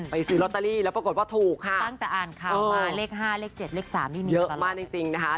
ซื้อลอตเตอรี่แล้วปรากฏว่าถูกค่ะตั้งแต่อ่านข่าวมาเลข๕เลข๗เลข๓นี่มีเยอะมากจริงจริงนะคะ